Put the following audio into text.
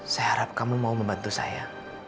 saya harap kamu mau membantu saya